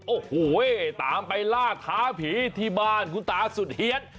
โอ้โหตามไปล่าท้าผีที่บ้านคุณตาสุดเฮียน